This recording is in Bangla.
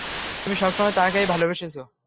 তুমি সবসময় তাকেই ভালোবেসেছ।